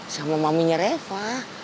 sama maminya reva